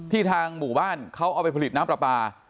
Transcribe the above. ทางหมู่บ้านเขาเอาไปผลิตน้ำปลาปลา